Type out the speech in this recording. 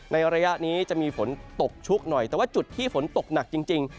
ระยะนี้จะมีฝนตกชุกหน่อยแต่ว่าจุดที่ฝนตกหนักจริง